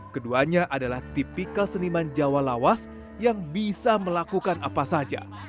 keduanya adalah tipikal seniman jawa lawas yang bisa melakukan apa saja